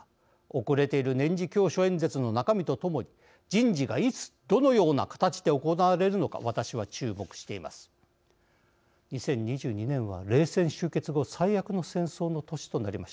遅れている年次教書演説の中身とともに、人事がいつどのような形で行われるのか私は注目しています。